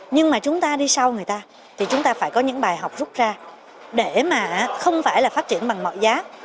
nhưng mà chúng ta đi sau người ta thì chúng ta phải có những bài học rút ra để mà không phải là phát triển bằng mọi giá